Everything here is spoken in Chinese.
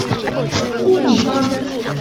布吕桑。